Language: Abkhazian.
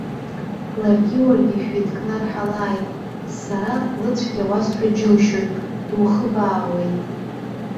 Ларгьы уаргьы шәеидкнарҳалааит, сара лыцәгьа уасҳәо џьылшьоит, духыбаауеит.